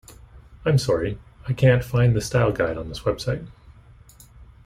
I'm sorry, I can't find the style guide on this website